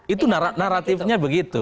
itu naratifnya begitu